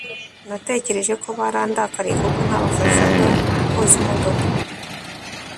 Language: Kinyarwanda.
natekereje ko barandakariye kuko ntabafashaga koza imodoka